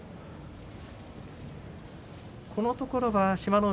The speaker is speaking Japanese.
このところ志摩ノ